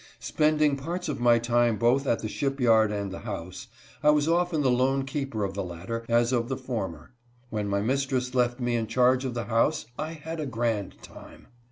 Spending parts of my time both at the ship yard and the house, I was often the lone keeper ot the latter as of the former. When my mistress left me in charge of the house I had a grand time.